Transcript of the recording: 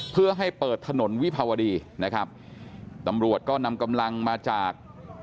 เพื่อให้เปิดถนนวิภาวดีนะครับตำรวจก็นำกำลังมาจาก